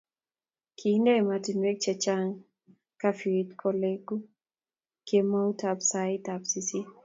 kiinde emetonwek che chang' kafyuit koleku kemoutab sait sisit